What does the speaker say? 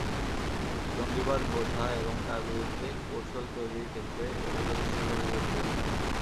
জঙ্গিবাদ বোঝা এবং তার বিরুদ্ধে কৌশল তৈরির ক্ষেত্রে এগুলো বিশেষভাবে গুরুত্বপূর্ণ।